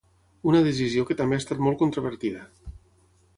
Una decisió que també ha estat molt controvertida.